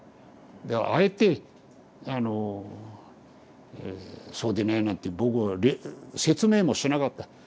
だからあえてあのそうでないなんて僕は説明もしなかった。